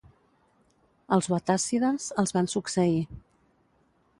Els wattàssides els van succeir.